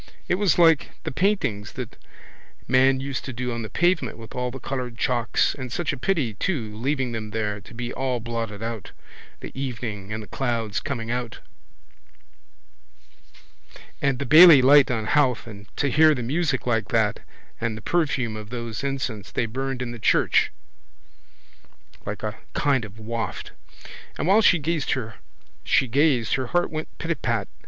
It was like the paintings that man used to do on the pavement with all the coloured chalks and such a pity too leaving them there to be all blotted out, the evening and the clouds coming out and the Bailey light on Howth and to hear the music like that and the perfume of those incense they burned in the church like a kind of waft. And while she gazed her heart went pitapat.